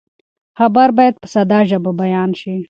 خبر باید په ساده ژبه بیان شي.